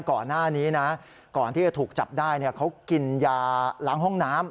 ก่อนหน้านี้นะก่อนที่จะถูกจับได้เขากินยาล้างห้องน้ำ